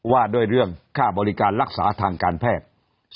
ว่าด้วยเรื่องค่าบริการรักษาทางการแพทย์